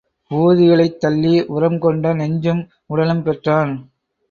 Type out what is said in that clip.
ஊர்திகளைத் தள்ளி உரம்கொண்ட நெஞ்சும் உடலும் பெற்றான்.